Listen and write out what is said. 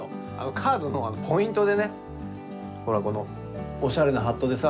カードのポイントでねほら、このおしゃれなハットでさ